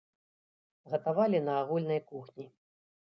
Гатавалі на агульнай кухні.